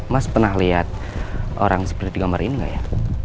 mas pernah lihat orang seperti kamar ini nggak ya